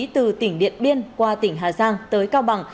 từ tỉnh điện biên qua tỉnh hà giang tới cao bằng